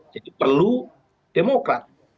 jadi perlu demokrat